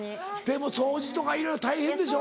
でも掃除とかいろいろ大変でしょ？